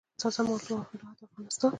د تازه مالټو هیواد افغانستان.